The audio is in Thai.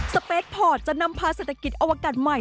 สเปคพอร์ตจะนำพาเศรษฐกิจอวกาศใหม่